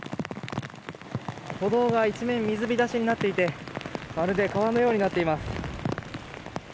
歩道が一面水浸しになっていてまるで川のようになっています。